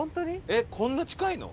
えっこんな近いの？